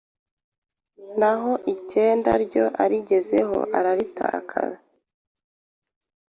naho icyenda ryo arigezeho araritaruka